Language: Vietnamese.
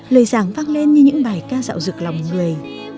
lời giảng vang lên như những bài ca dạo rực lòng người